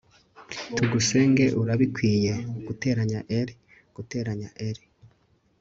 tugusenge urabikwiye, +r, +r